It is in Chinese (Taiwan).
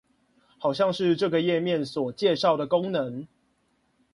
好像是這個頁面所介紹的功能